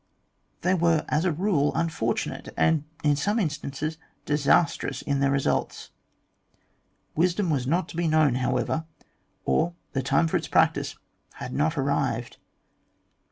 They were as a rule unfortunate, and in some instances disastrous in their results. Wisdom was not to be known however, or the time for its practice had not arrived.